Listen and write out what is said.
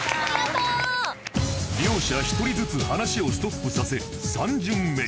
両者１人ずつ話をストップさせ３巡目